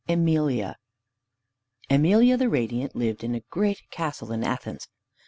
II EMELIA Emelia the Radiant lived in a great castle in Athens.